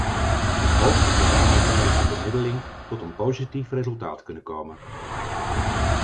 Ik hoop dat wij daarmee tijdens de bemiddeling tot een positief resultaat kunnen komen.